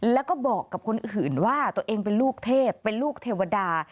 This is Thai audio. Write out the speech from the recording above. แล้วก็บอกกับคนอื่นว่าตัวเองเป็นลูกเทพเป็นลูกเทวดา